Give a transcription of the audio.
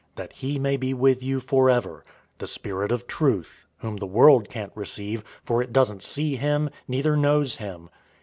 } that he may be with you forever, 014:017 the Spirit of truth, whom the world can't receive; for it doesn't see him, neither knows him.